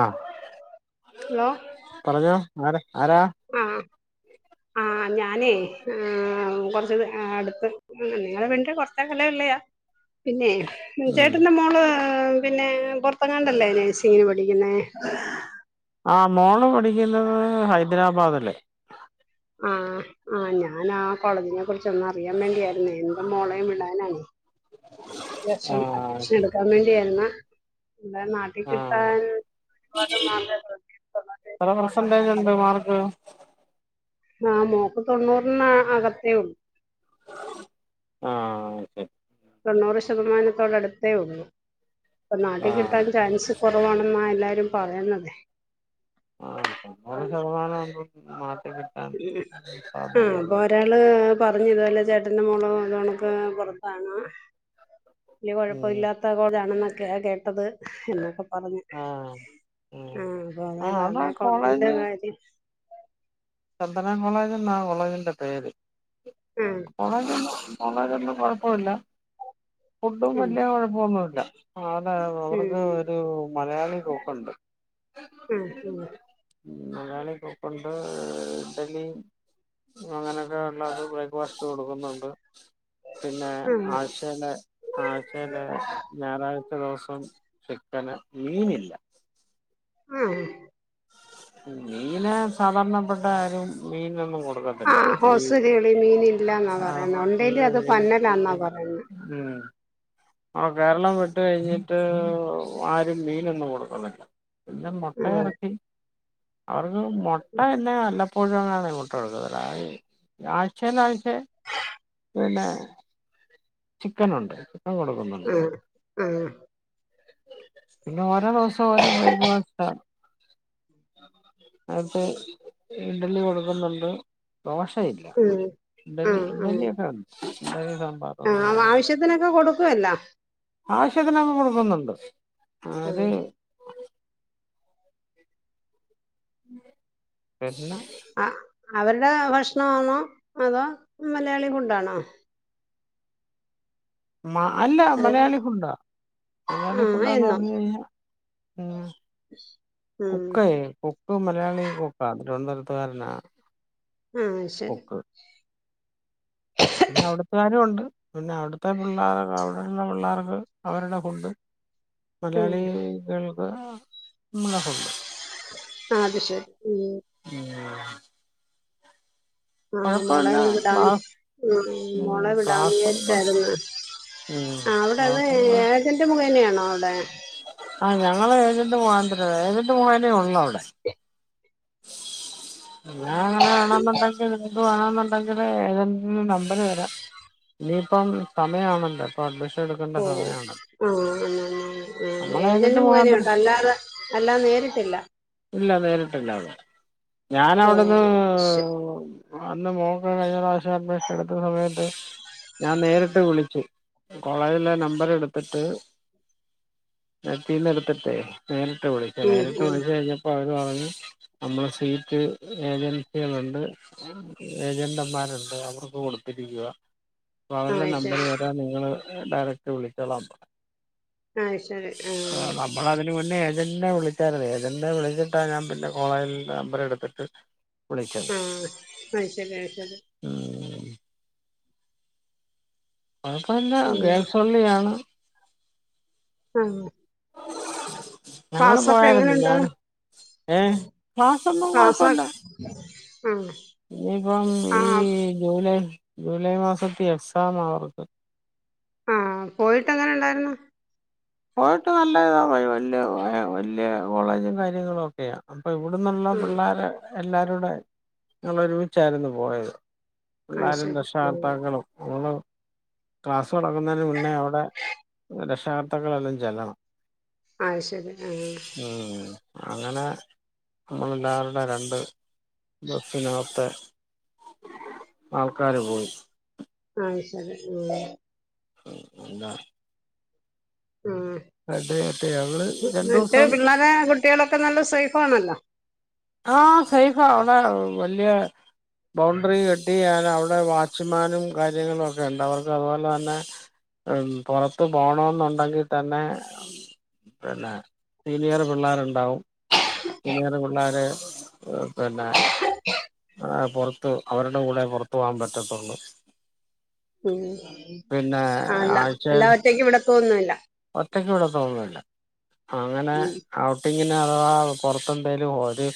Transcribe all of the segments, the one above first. ആഹ് പറഞ്ഞോ ആരാ ആരാ ആഹ് ആഹ് ഞാനേ ആ കൊറച്ചത് അടുത്ത് നിങ്ങളെ വീണ്ട കൊറച്ച കല ഇള്ളയാാ പിന്നെ ഉം ചേട്ടന്റെ മോള് പിന്നെ പുൊറത്തെങ്ങാണ്ടല്ലേ നേേഴ്സിങ്ങിന് പഠിക്കുന്ന ആ ആ മോള് പഠിക്കുന്നത് ഹൈദരാബാദ അല്ലേ ആ ഞാൻ ആ കോളേജിനെ കുറിച്ചൊന്നു അറിയാൻ വേണ്ടിയായിരുന്നേ എൻറെ മോളെയും വിടാനാണ് അത്യാശം ആഹ് അഡ്മഷൻ എടുക്കാൻ വേണ്ടിയായിുന്ന എ നാട്ട കിട്ടാൻ ആഹ് ഒരുപാട് മാത വത്തിത്ത എത്ര പെർസെന്റേജ് ഉണ്ട് മാർക്ക് ആ മോക്ക് തൊണ്ണൂറിന് അകത്തേ ഉള്ളു ആഹ ശരി തൊണ്ണൂറ് ശതമാനത്തോടടുത്തേ ഉള്ളൂ അപ്പൊ നാട്ടിൽ ആഹ് കിട്ടാൻ ചാൻസ് കുറവാണെന്നല്ല എല്ലാരും പറയുന്നത് ആ ൊതാണണൂറ് ശതമാനം ആവുമ്പോൾ നാട്ടിൽ കിട്ടാൻ ആഹ അപ്പൊ സാധ്യതയൊന്നുമില്ല ഒരാള് പറഞ്ഞത് അല്ല ചേട്ടന്റെ മോള ഇത്വണക്ക് പുറത്താണ് വലിയ ഉം കുഴപ്പമില്ലാത്ത പോലാണെന്നൊക്കെ കേട്ടത് ആഹ അ ആഹ് ഉം അതെ ആഹ് അവിടെ അതെ കുളതിറെ കാര്യം ചന്ദനം കോളേജ് എന്ന കോളേജിന്റെ പേര് ആ കോളേജ മന്നതന്നും കുഴപ്പില്ല ഫുഡും ഉം വലിയ കുഴപ്പൊന്നുമല്ല ആ അതെ ഉം അവർക്ക് ഒരു മലയാളി കോക്കുണ്ട് ആഹ ഉ മലയാളി കുക്കുണ്ട് ഇഡലി അങ്ങനെയൊക്കെ ഉള്ളത് ബ്രേക്ക്ഫാസ്റ്റ് കൊടുക്കുന്നുണ്ട് അ പിന്നെ ആഴ്ചയില ആഴ്ചയില് ഞായറാഴ്ച ദിവസം ചിക്കൻ മീനില്ല ആഹ മീന സാധാരണപ്പെട്ട ആരും മീനൊന്നും കൊടു ആഹ് ഹോസുരിി മീന ഇ ല്ല എന്നാ ഉം പറയന്ന ഉണ്ടെ അത് പന്നലാ എന്നാ പറയുന്ന ആ കേരളം വിട്ട കഴിഞ്ഞിട്ട് ആരും മീനൊന്നും കൊടുക്കുന്നില്ല പിന്ന മുട്ട ആ ഇറക്കി അവർക്ക് മുട്ടന്നെ അല്ല പ്പോഴാണ് ഇങ്ങോട്ട് കൊടുക്ക ആഴ്ചാഴ്ച [unintelligible] പിന്നെ ചിക്കൻ ഉണ്ട് ചിക്കൻ കൊടുക്കുന്നുണ്ട് ആഹ പിന്നെ ഓരോ ദിവസം ഓരോ ബ്രേക്ക്ഫാസ്റ്റ് അടുത്തത് ഇഡലി കൊടുക്കുന്നുണ്ട് ദോശയില്ല ഉം ആ ആ ഇഡലി ഒക്കെയുണ്ട് ആ ആവശ്യത്തിനൊക്കെ കൊടുക്കുവല്ലോ ആവശ്യത്തിനൊക്കെ കൊടുക്കുന്നുണ്ട് ആ അവര് പിന്ന ആ അവരുടെ ഭക്ഷണമാണോ അതോ മലയാളി ഫുഡാണോ മ അല്ല മലയാളി ഫുഡാാ മലയാളി ആ ഫുഡ് ആണെന്ന് എന്നും പറഞ്ഞു കഴിഞ്ഞാൽ ഉം കൊക്കയ കൊക്ക് മലയാളി കൊക്ക തിരുവനന്തപുരത്ത്ുകാരനാ ആഹ ശരി പിന്നെ അവിടത്തുകാരമ ഉണ്ട് പിന്നെ അവിടുത്തെ പിള്ളോരക്കെ അ അവരുടെ പിള്ളേർക്ക് അവരുടെ ഫുണ്ട് ഉം മലയാളികൾക്ക് നമ്മളെ ഫുഡ് അത് ശരി ഉ ഉം ആഹ് മോളേ കുഴപ്പമില്ല വിടാന്ന് ക്ലാസ് ഉം മോളെ വിടാന്ന് ക്ലാസ്സും കൊ വിചാരിച്ചായിരുന്നു ഉം ആ അവിടെ അത് ക്ലാസ്സും കൊ ഏജന്റ് മുഖേന ആണോ അവിടെ ആ ഞങ്ങള് ഏജന്റ് മുഖാന്തരവാ ഏജന്റ് മുഖാന്തരവേ ഉള്ളവിടെ എന്നാ അങ്ങനെ ആണെന്നുണ്ടെങ്കിൽ നിങ്ങൾക്ക് വേണോന്നുണ്ടെങ്കില് ഏജന്റിന്റെ നമ്പര് വരാം ഇനിയിപ്പം സമയമാണല്ലോ ഇപ്പൊ അഡ്മിഷൻ എടുക്കേണ്ട സമയമാണല്ലോ ആഹ് ഏജന്റ് മുഖേനയേ ഉള്ളു അല്ലാതെ അല്ലാതെ നേരിട്ടില്ല ഇല്ല നേരിട്ടില്ല അവിടെ ഓ ഞാനവിടുന്ന് ശരി അന്ന് മോക്ക് കഴിഞ്ഞ പ്രാവശ്യം അഡ്മിഷൻ എടുത്ത സമയത്ത് ഞാൻ നേരിട്ട് വിളിച്ചു കോളേജിലെ നമ്പർ എടുത്തിട്ട് നെറ്റീന്ന് എടുത്തിട്ടേ നേ രിട്ട് വിളിച്ചു ഉം നേരിട്ട് ഉം വിളിച്ചു കഴിഞ്ഞപ്പോ അവര് പറഞ്ഞു നമ്മള് സീറ്റ് ഏജൻസികളുണ്ട് ഏജന്റമാരുണ്ട് അവർക്ക് കൊ ടുത്തിരിക്കുവാ അപ്പോ ആ അവരുടെ ശരി നമ്പര് തരാം നിങ്ങള് ഡയറക്ട് വിളിച്ചോളാൻ പറഞ്ഞു ആ ശരി ആ നമ്മള് അതിന് മുന്നേ ഏ ഏജന്റിനെ വിളിച്ചാരുന്നു ഏജന്റിനെ വിളിച്ചിട്ടാ ഞാൻ പിന്നെ കോളേജിന്റെ നമ്പർ എടുത്തിട്ട് വിളിച്ചത് ആഹ് അയ് ശെരി അയ് ശെരി ഉം [unintelligible] ഉം ഗേൾസ് ഒള്ളിയാണ് ആഹ് ഞങ്ങെള് പോയായ്ര്ന്നു എങ്ങനെയുണ്ട് മിഞ്ഞാന്ന് ഏഹ് ക്ലാസ് ഒന്നും ക്ലാസ് കൊഴപ്പയില്ല ഇനിയിപ്പം ആ ആ ഈ ജൂലൈ ജൂലൈ മാസത്തി എക്സാമാ ആവെർക്ക് ഉം പോയിട്ട് എങ്ങെനെ ഇണ്ടായിര്ന്നു പോയിട്ട് നല്ലതാ വല്ല്യ വല്ല്യ കോളേജും കാര്യങ്ങളും ഒക്കെയാ അപ്പ ഇവെട്ന്നുള്ള ആ പിള്ളേരെ എല്ലാരും കൂടെ ഞങ്ങെൾ ഒര്മിച്ചായിരുന്നു പോയെത് അത് പിള്ളാരും ശരി ആ രക്ഷകർത്താക്കളും [unintelligible] ക്ലാസ് തൊടങ്ങുന്നതിന്റെ മുന്നേ അവടെ രക്ഷകർത്താക്കളെല്ലാം ചെല്ലണം അയ് ശെരി ആഹ് ഉം അങ്ങനെ നമ്മളെല്ലാവരുടെ രണ്ട് ബസ്സിന് അകെത്ത് ആൾക്കാര് പോയി അയ് ശരി ആഹ് ഉം എന്താ റെഡ് കെട്ടി ഞങ്ങള് ഉം രണ്ടു മറ്റ് ദിവസം പിള്ളാരെ കുട്ടിയാളൊക്കെ നല്ല സേഫ് ആണല്ലോ ആഹ് സൈഫാ അയുടെ വല്ല്യെ ബൗൻഡ്രി കെട്ടിയാൽ അയുടെ വാച്ച്മാനും കാര്യങ്ങളും ഒക്കെ ഇണ്ട് അവെർക്ക് അതുപോലെ തന്നെ ഉം പൊറത്തു പോണന്നുണ്ടെങ്കിൽ തന്നെ പിന്നെ സീനിയെർ പിള്ളേര് ഇണ്ടാവും സീനിയെർ പുള്ളാര് എഹ് പിന്നെ പൊറ് ത്തു അവരുടെ കൂടെ പൊറത്തു പോവാൻ പറ്റത്തൊള്ളു ഉം ആഹ് അല്ല അല്ലാതെ ഒറ്റെക്ക് വിടത്തൊന്നും ഇല്ല ഒറ്റക്കിവിടെ [unintelligible] വേണ്ട അങ്ങനെ ഉം ഔട്ടി ങ്ങിന് അഥവാ പൊറത്തെന്തേലും ഒര്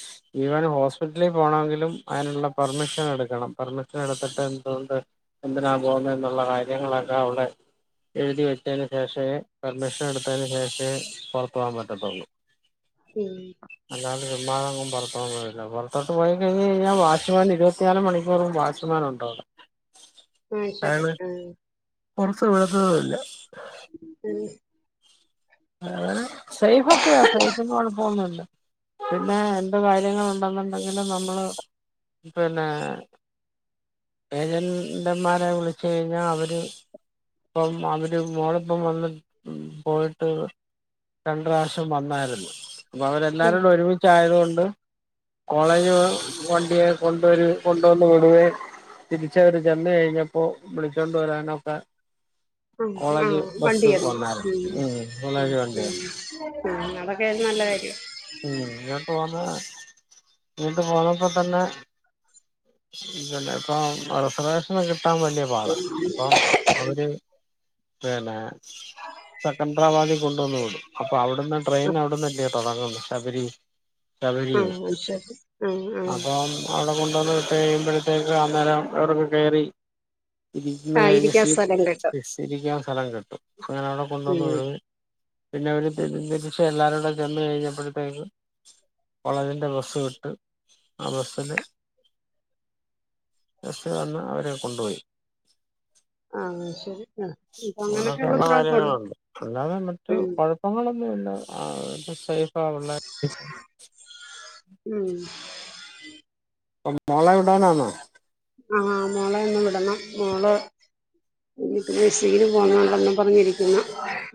ഇവൻ ഹോസ്പിറ്റലി പോണോങ്കിലും അയ്ന്ള്ള പെർമിഷ് നെട്ക്കണം പെർമിഷൻ എടുത്തിട്ട് എന്തുകൊണ്ട് എന്തിനാ പോവുന്നേന്നുള്ള കാര്യങ്ങളൊക്കെ അവടെ എഴുതി വെച്ചയ്ന് ശേഷേ പെർമിഷൻ എടുത്തതിന് ശേഷേ പൊറത്തു പോവാൻ പറ്റത്തൊള്ളൂ. ഏഹ് ചുമ്മാതൊങ്ങും പൊറത്തോവാൻ [unintelligible] പൊറത്തോട്ട് പോയി കഴിഞ്ഞ് കഴിഞ്ഞാ വാച്ച്മാൻ ഇരുവത്തിനാല് മണിക്കൂറും വാച്ച്മാൻ ഉണ്ടവ്ടെ അയ് ശരി, ആഹ് പൊറത്ത് വിടത്തതും ഇല്ല [unintelligible] അവ്ടെ സെയ്ഫൊക്കെയാ സേഫിന് കൊഴപ്പോന്നുല്ല പിന്നെ എന്ത് കാര്യങ്ങളും നൊന്നൊണ്ടെങ്കില് നമ്മള് പിന്നെ ഏജൻ ൻ്റമ്മാരെ വിളിച്ച് കഴിഞ്ഞാ അവര് പ്പം അവര് മോളപ്പം വന്ന് ഇം പോയി ട്ട് രണ്ട് റാശ്യം വന്നാര്ന്ന് പ്പ ഉം അവരെല്ലാരൂടെ ഒരുമിച്ചായതുകൊ കോളേജ് വണ്ടിയേ കൊണ്ടുവരേം കൊണ്ടുവന്ന് വിടുവേം തിരിച്ചവര് ചെന്ന് കഴിഞ്ഞപ്പൊ വിളിച്ചൊണ്ട് വരാനൊക്കെ ആ ആ കോളേജ് വണ്ടി ബസ് തന്നു വന്നാര്ന്ന് ഉം മൂന്നാല് വണ്ടി ഒണ്ട് ആ അതൊക്കെ ഒരു നല്ല കാര്യം ഇം ഇങ്ങോട്ട് വന്നാ ഇങ്ങോട്ട് പോന്നപ്പൊ തന്നെ [unintelligible] ഇപ്പ അടുത്ത പ്രാവശ്യം വരു ത്താം വല്യ പാടാ പ്പം അവര് പിന്നെ സെക്കൻഡ്രാബാദി കൊണ്ടുവന്ന് വിടും അപ്പൊ അവിടുന്ന് ആ ട്രെയിൻ അവിടുന്നല്ല്യോ തൊടങ്ങുന്നു ശബരി ശബരി ആ അത് ശരി ആ ആ അപ്പം അവിടെ കൊണ്ടുവന്ന് വി കേം മ്പൊഴത്തേക്ക് അന്നേരം [unintelligible] റൊക്കെ കേറി ഇരിക്കുന്ന ആ ഇരിക്കാൻ ഏജസിയിൽ സ്ഥലം കിട്ടും ഇസ്സി ഇരിക്കാൻ സ്ഥലം കിട്ടും അ ങ്ങനെ അവിടെ കൊണ്ടുവ ഉം [unintelligible] പിന്നെ അവര് തിരിച്ച് [unintelligible] എല്ലാരൂടെ ചെന്ന് കഴിഞ്ഞപ്പോഴത്തേക്കും വളവിന്റെ ബസ് കട്ട് ആ ബസ്സില് [unintelligible] വന്ന അവരെ കൊണ്ടോയി ആ ശരി ആ ഇപ്പൊ അങ്ങനൊക്കെ ഒള്ള അങ്ങനൊക്കെയുള്ള ഉത്തരവാദിത്വ ഒണ്ട് കാര്യങ്ങളുണ്ട് [unintelligible] മറ്റു കൊഴപ്പങ്ങളൊന്നും ഇല്ല ആ സേഫ് പാവുള്ള [unintelligible] ഉം [unintelligible] പ്പം മോളെ വിടാനാണോ ആ മോളെ ഒന്ന് വിടണം മോള് ഇ പിന്നെ ശീല് പോ [inaudible] പറഞ്ഞിരിക്കുന്ന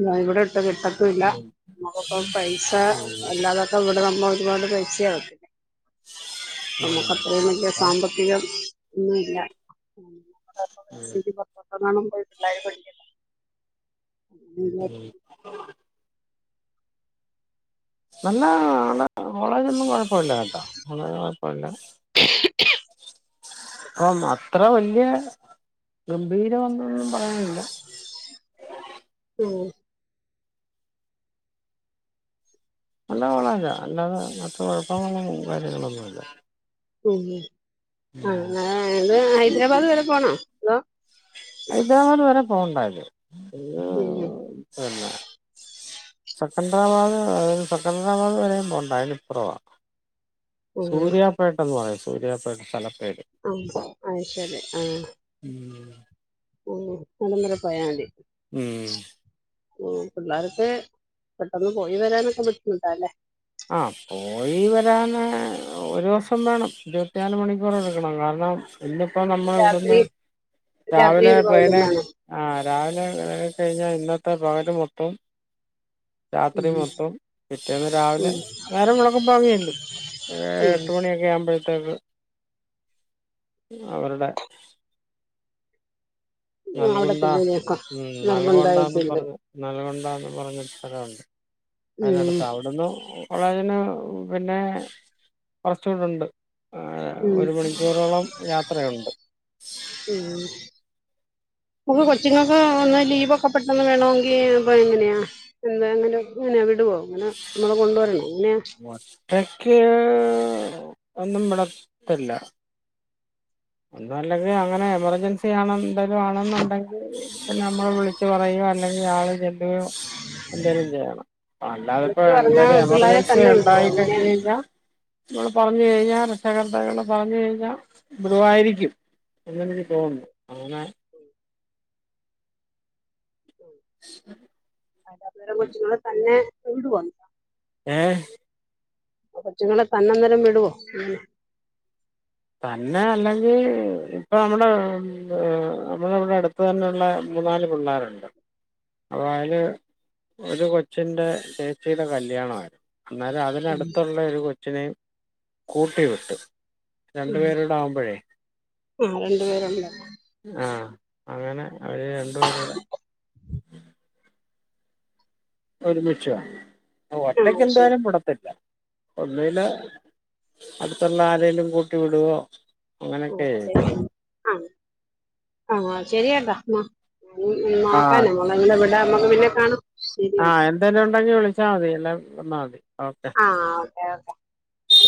ഇായ ഇവ് ട്ട് കിട്ടത്തില്ല നമുക്ക് പൈസാ അല്ലാതൊക്കെ ഇവിടെ നമ്മ ഒരുപാട് പൈസയാവത്തില്ലേ നമ്മുക്ക് അത്രയും വലിയ സാമ്പത്തികം ഒന്നല്ല [unintelligible] പോയി പിള്ളാരെ പഠിപ്പിക്കാൻ [unintelligible] നല്ല ആ [unintelligible] കോളേജൊന്നും കൊഴപ്പ ഇല്ല കേട്ടോ കോളേജ് കൊഴപ്പ ഇല്ല [unintelligible] അം അത്ര വല്യ ഗംഭീരമവൊന്നൊന്നും പറയാനില്ല തോ നല്ലവളല്ലാ അല്ലാതെ മറ്റ് കൊഴപ്പങ്ങളും [unintelligible] കാര്യങ്ങളൊന്നൂല്ല ഉം ആ ങ്ങാ [unintelligible] ഹൈദരാബാദ് വരെ പോണോ അതോ ഹൈദ്രാബാദ് വരെ പോണ്ടാ ഉം [unintelligible] സെക്കൻഡ്രാബാദ് സെക്കൻഡ്രാബാദ് വരെം പോണ്ട അയിനിപ്പുറവാ ഉം ഉം സൂര്യാപേട്ടന്ന് പറയും സൂര്യാപേട്ട സ്ഥലം അഹ് അയ് ശരി ആ ഓ അടന്നര പോയാ മതി ഉം ഓ പിള്ളാർക്ക് പെട്ടെന്ന് പോയി വരാനൊക്കെ ബുദ്ധിമുട്ടാല്ലേ ആ പോയി വരാന് ഒരൂസം വേണം ഇരുപത്തിനാല് മണിക്കൂറ് എടുക്കണം കാരണം ഇന്നിപ്പോ നമ്മൾ ഇവിടുന്ന് രാത്രി രാത്രി രാവിലെ ഒരു പകലും ട്രെയിന് വേണം ആ രാവിലെ കഴിച്ച് കഴിഞ്ഞാ ഇന്നത്തെ പകല് മൊത്തോം രാത്രി ഉം മൊത്തം പിറ്റേന്ന് രാവിലെ ഉം നേരം വിളക്ക പോങ്ങിയല്ലും എട്ട് മണിയൊക്കെ ആുമ്പ ്പഴത്തേക്ക് അവരുടെ ഉം നൽകണ്ട അവിടെത്തില്ലേക്ക ഉ നൽകോണ്ടാും നിർബന്ധമായിട്ടുണ്ട് പറഞ്ഞ നൽകൊണ്ടാന്ന് പറഞ്ഞ തഥലംുണ്ട് ഉം അതിടുത്ത് അവിടന്ന് കോളേജന് പിന്നെ കുറച്ചുകൂടുണ്ട് ആ ഉം ഒരു മണിക്കൂറോളം യാത്രയുണ്ട് ഉം [unintelligible] നമുക്ക് കൊച്ചിങ്ങൾക്ക് ഒന്ന് ലീവ് ഒക്കെ പെട്ടെന്ന് വേണമെങ്കിൽപ്പ എങ്ങനെയാ എന്താങ്ങങ്ങന വിടുവോ അങ്ങനെ നമ്മളെ കൊണ്ടുവരണംേ ഇങ്ങനെയ ക്ക് ഒന്നും വിളത്തില്ല എന്ന അല്ലങ്ക അങ്ങനെ എമർജൻസി ആണ എന്തേിലും ആണെന്നുണ്ടെങ്കിൽ നമ്മള് വിളിച്ചച്ച് പറയയോ അല്ലെങ്കിൽ ആയാള് ചെല്ലുകയോ എന്തേങ്കലും ചെയ്യണം അല്ലാതെ ഇപ്പോൊ വിളിച്ചു പറഞ്ഞാ എന്തായാലും പിള്ളേരെ എമർജൻസി തന്നെ വിടുവോ ഉണ്ടായി അങ്ങനെ കഴിഞ്ഞ കഴിഞ്ഞാ നമ്മൾ പറഞ്ഞു കഴിഞ്ഞാൽ രക്ഷകർതടെ പറഞ്ഞു കഴിഞ്ഞാൽ ബ്രവായിരിക്കും എന്നെനിക്ക് തോന്നുന്നു അങ്ങനെ അ്ര കൊച്ചുങ്ങളൾ തന്നെ ഇടുവ ആഹ കൊച്ചുങ്ങളെ തന്നെന്നേരം വിടുവോെ തന്നെ അല്ലെങ്കിൽ ഇപ്പൊ നമ്മുടെ നമ്മുടെമ്മടെ അടു അത്ത് തന്നെയുള്ള മൂന്നാല് പിള്ളേരുണ്ട് അപ്പ അതിന് ഒരു കൊച്ചിന്റെ ചേച്ചിയുടെ കല്യാണമായിരുന്നു എന്നാലും ഉം അതിനന്ടുത്തുള്ള ഒരു കൊ അഛിനേും കൂട്ടി വിട്ട് രണ്ടു ഉം പേരടെ ആവുമ്പോഴേ ആ രണ്ടു പേരുണ്ട് ആഹ അങ്ങനെ അവര് രണ്ടു പേരടെ ഒരുമിഷം ആ ഒറ്റക്ക് ശരി എന്താലും പുടത്തില്ല ഒന്നില് അടുത്തുള്ള ആരെേലും കൂട്ടി വിടുവോ ആ അങ്ങനൊക്കെ ആഹ ശരിയട്ടാ എന്ന ആ നോക്കാന മുോളങ്ങനെ വിടാ നമ്മക്ക് പിന്നെ കാണും ആഹ് എന്തേലും ഉണ്ടെങ്കിൽ വിളിച്ചാൽ മതി എല്ലാം വന്നാൽ മതി ഓക്കെ ആഹ ഓക്കെ ഓക്കെ ശരി